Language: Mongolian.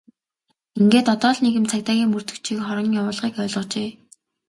Ингээд одоо л нэг юм цагдаагийн мөрдөгчийн хорон явуулгыг ойлгожээ!